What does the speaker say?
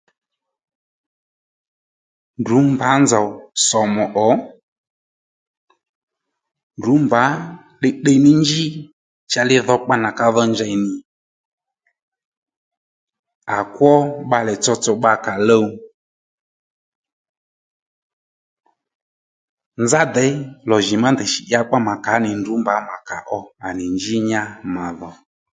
Ndrǔ mbǎ nzòw sòmù ò ndrǔ mbǎ tdiytdiy ní njí cha li dhokpa nà ka dho njèy nì à kwó bbalè tsotso bba kàluw nzá děy lò jì má ndèy shì i ngákpá mà kàó nì ndrǔ mbǎ mà kàó à nì njí nya mà dhò